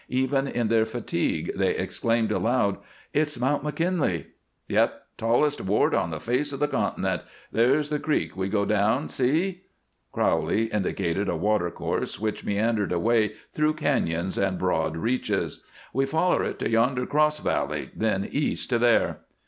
Even in their fatigue they exclaimed aloud: "It's Mount McKinley!" "Yep! Tallest wart on the face of the continent. There's the creek we go down see!" Crowley indicated a watercourse which meandered away through cañons and broad reaches. "We foller it to yonder cross valley; then east to there."